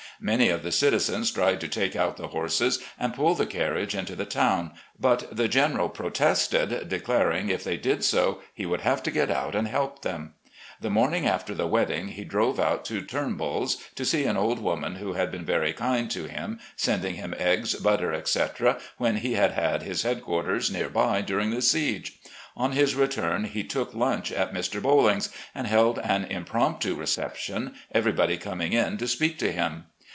Many of the citizens tried to take out the horses and pull the carriage into the town, but the General protested, declaring, if they did so, he would have to get out and help them. The morning after the wedding he drove out to "Turnbull's" to see an old woman who had been very kind to him, sending him eggs, butter, etc., when he had had his headquarters near by during the siege. On his return he took lunch at Mr. Bolling's, and held an impromptu reception, everybody coming in to speak to him.